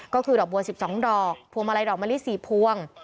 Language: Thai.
ก็คือดอกบัว๑๒ดอกพวงมาลัยดอกมะลิ๔พวง